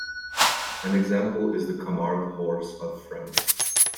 An example is the Camargue horse of France.